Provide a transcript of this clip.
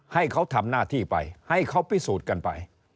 ให้เขาทำหน้าที่ไปให้เขาพิสูจน์กันไป